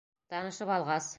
Танышып алғас: